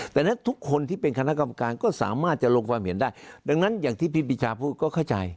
แต่นั้นทุกคนที่ก็เป็นคณะกรรมการก็สามารถจะลงความเห็นด้านั้นที่พิพิชาป่าก็เข้าใจ